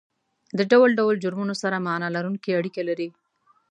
د ډول ډول جرمونو سره معنا لرونکې اړیکه لري